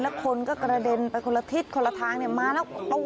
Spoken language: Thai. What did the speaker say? แล้วคนก็กระเด็นไปคนละทิศคนละทางมาแล้ว